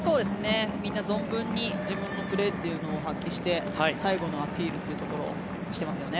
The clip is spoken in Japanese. みんな存分に自分のプレーを発揮して最後のアピールをしていますよね。